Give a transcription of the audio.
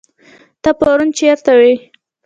ته پرون چيرته وي